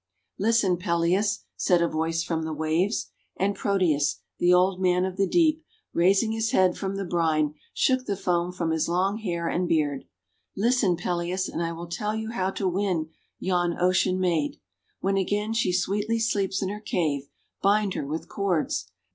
'Listen, Peleus," said a voice from the waves; and Proteus, the Old Man of the Deep, raising his head from the brine, shook the foam from his long hair and beard. ''Listen, Peleus, and I will tell you how to win yon ocean maid. When again she sweetly sleeps in her cave, bind her with cords.